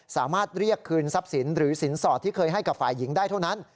สามารถเรียกคืนทรัพย์สินหรือสินสอดที่เคยให้กับฝ่ายหญิงได้เท่านั้น